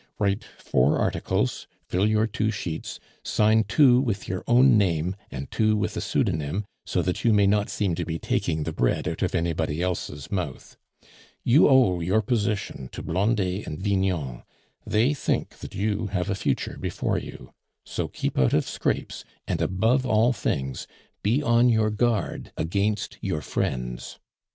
Write four articles, fill your two sheets, sign two with your own name, and two with a pseudonym, so that you may not seem to be taking the bread out of anybody else's mouth. You owe your position to Blondet and Vignon; they think that you have a future before you. So keep out of scrapes, and, above all things, be on your guard against your friends.